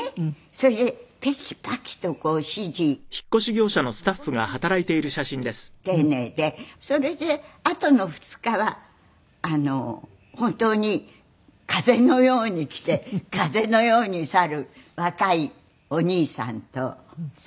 それでテキパキと指示されて本当に親切丁寧でそれであとの２日は本当に風のように来て風のように去る若いお兄さんと３人。